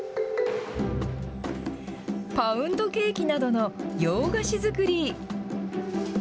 パウンドケーキなどの洋菓子作り。